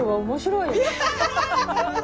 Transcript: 面白い！